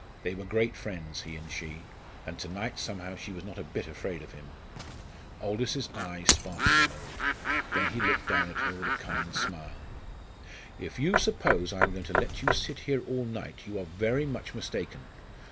They were great friends, he and she, and to night somehow she was not a bit afraid of him. Aldous's eye sparkled a moment; then he looked down at her with a kind smile. "If you suppose I am going to let you sit here all night, you are very much mistaken.